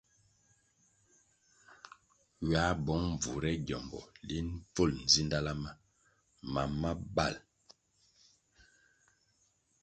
Ywā bong bvurere gyombo pil bvul nzidala ma mam ma bal.